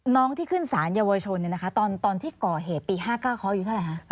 ที่ขึ้นสารเยาวชนตอนที่ก่อเหตุปี๕๙เขาอายุเท่าไหร่คะ